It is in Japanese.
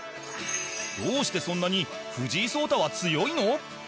どうして、そんなに藤井聡太は強いの？